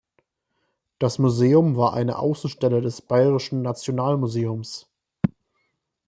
Das Museum war eine Außenstelle des Bayerischen Nationalmuseums.